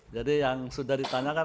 jadi yang sudah ditanyakan